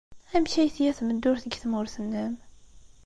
Amek ay tga tmeddurt deg tmurt-nnem?